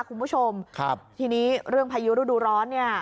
คุณผู้ชมครับทีนี้เรื่องพายุฤดูร้อนเนี่ย